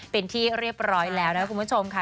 เป็นที่เรียบร้อยแล้วนะคุณผู้ชมค่ะ